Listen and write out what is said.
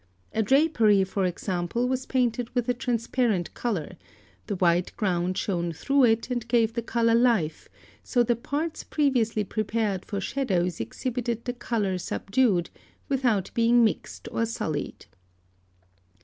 A drapery, for example, was painted with a transparent colour, the white ground shone through it and gave the colour life, so the parts previously prepared for shadows exhibited the colour subdued, without being mixed or sullied.